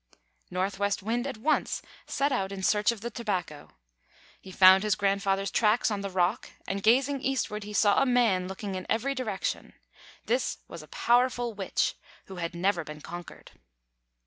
Northwest Wind at once set out in search of the tobacco. He found his grandfather's tracks on the rock, and, gazing eastward, he saw a man looking in every direction. This was a powerful Witch, who had never been conquered.